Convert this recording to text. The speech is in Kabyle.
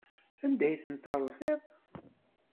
Anda ay ten-terẓiḍ?